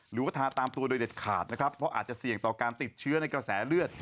หรือว่าทาตามตัวโดยเด็ดขาดนะครับเพราะอาจจะเสี่ยงต่อการติดเชื้อในกระแสเลือด